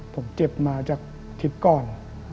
ผมเจ็บมาจากทริปก่อน